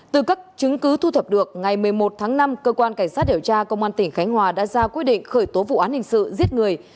từ các chứng cứ thu thập được ngày một mươi một tháng năm cơ quan cảnh sát điều tra công an tỉnh khánh hòa đã ra quyết định khởi tố vụ án hình sự giết người